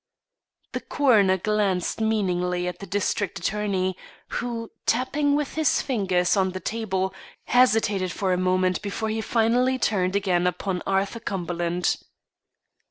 The coroner glanced meaningly at the district attorney, who, tapping with his fingers on the table, hesitated for a moment before he finally turned again upon Arthur Cumberland.